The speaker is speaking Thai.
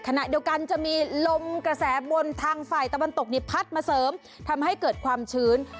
ขณะเดียวกันจะมีลมกระแสบนทางฝ่ายตะวันตกนี่พัดมาเสริมทำให้เกิดความชื้น